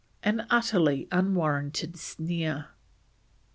An utterly unwarranted sneer.